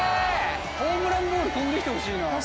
ホームランボール飛んできてほしいな。